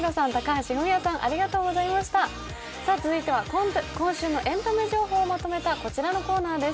続いては今週のエンタメ情報をまとめたこちはのコーナーです。